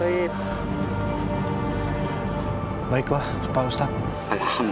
ya sraikat apa khair ini